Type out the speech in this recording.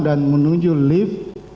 dan menuju lift